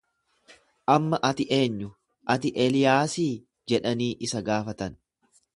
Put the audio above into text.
Amma ati eenyu? Ati Eliyaasii jedhanii isa gaafatan.